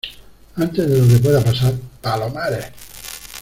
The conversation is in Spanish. antes de lo que pueda pasar. ¡ palomares!